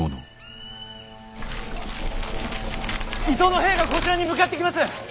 伊東の兵がこちらに向かってきます！